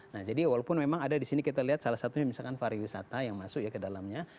nah jadi walaupun memang ada di sini kita lihat salah satunya misalkan pariwisata yang masuk ya ke dalamnya